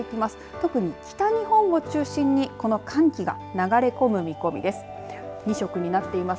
特に北日本を中心に、この寒気が流れ込む見込みです。